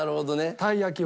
たい焼きは。